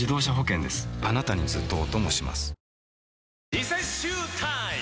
リセッシュータイム！